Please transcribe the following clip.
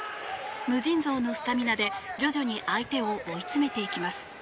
無尽蔵のスタミナで徐々に相手を追い詰めていきます。